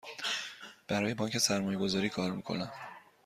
برای بانک سرمایه گذاری کار می کنم.